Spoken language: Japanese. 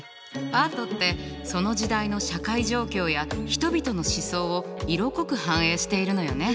アートってその時代の社会状況や人々の思想を色濃く反映しているのよね。